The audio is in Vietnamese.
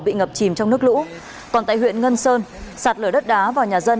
bị ngập chìm trong nước lũ còn tại huyện ngân sơn sạt lở đất đá vào nhà dân